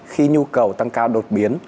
khi nhu cầu tăng cao đột biến